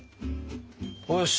よし。